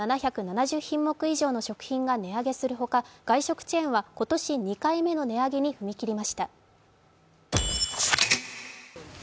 ７７０品目以上の食品が値上げするほか、外食チェーンは今年２回目の値上げに踏み切りました。